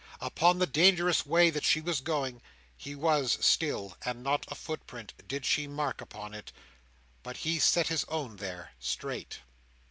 Upon the dangerous way that she was going, he was, still; and not a footprint did she mark upon it, but he set his own there, straight.